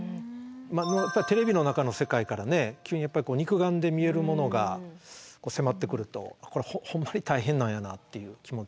テレビの中の世界からね急にやっぱりこう肉眼で見えるものが迫ってくるとこれほんまに大変なんやなっていう気持ち。